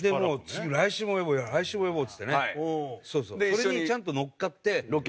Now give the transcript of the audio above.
それにちゃんと乗っかって。